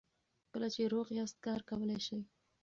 کله چې روغ یاست کار کولی شئ.